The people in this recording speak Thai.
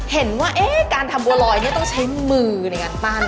เห็นว่าการทำบัวลอยต้องใช้มือในการปั้น